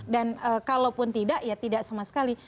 dan kalau pun tidak ya tidak sama sekali